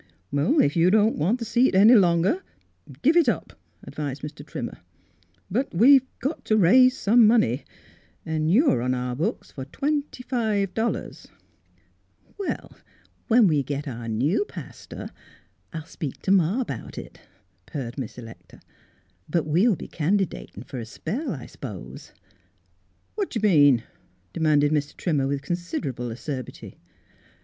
" If you don't want the seat any longer, give it up," advised Mr. Trimmer. " But we've got to raise some money, and you're 99 Miss Philura's Wedding Gown on our books for twenty five dollars. " Well, when we get our new pastor, I'll speak t' ma about it," purred Miss Electa. " But we'll be candidatin' fer a spell, I s'pose." "What do you mean?" demanded Mr. Trimmer, with considerable acerbity.